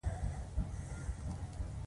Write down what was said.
آیا زعفران د ایران سره طلا نه بلل کیږي؟